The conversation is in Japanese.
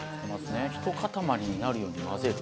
ひと固まりになるように混ぜる。